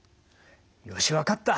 よし分かった。